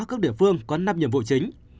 các địa phương có năm nhiệm vụ chính